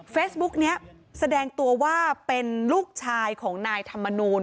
เฟซบุ๊กนี้แสดงตัวว่าเป็นลูกชายของนายธรรมนูล